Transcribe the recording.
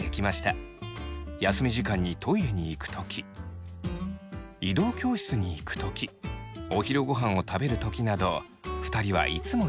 休み時間にトイレに行く時移動教室に行く時お昼ごはんを食べる時など２人はいつも一緒。